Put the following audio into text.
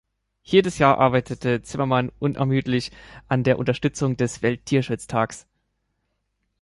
Jedes Jahr arbeitete Zimmermann unermüdlich an der Unterstützung des Welttierschutztags.